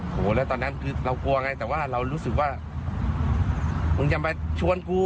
โหแล้วตอนนั้นคือเรากลัวไงแต่ว่าเรารู้สึกว่ามึงจะมาชวนกู